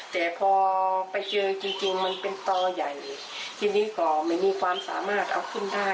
แต่พอไปเจอจริงจริงมันเป็นต่อใหญ่ทีนี้ก็ไม่มีความสามารถเอาขึ้นได้